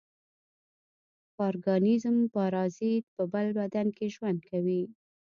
پارګانېزم پارازیت په بل بدن کې ژوند کوي.